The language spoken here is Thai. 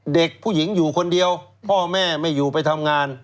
เด็กผู้หญิงอยู่คนเดียวพ่อแม่ไม่อยู่ไปทำงาน